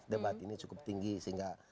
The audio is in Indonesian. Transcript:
debat ini cukup tinggi sehingga